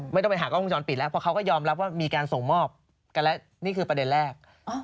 ไม่ต้องไปหากล้องวงจรปิดแล้วเพราะเขาก็ยอมรับว่ามีการส่งมอบกันแล้วนี่คือประเด็นแรก